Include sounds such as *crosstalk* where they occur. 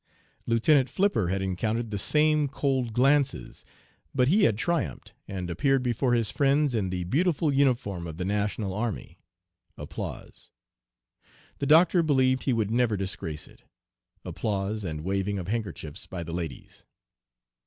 Lieutenant Flipper had encountered the same cold glances, but he had triumphed, and appeared before his friends in the beautiful uniform of the national army. *applause* The Doctor believed he would never disgrace it. (Applause, and waving of handkerchiefs by the ladies.)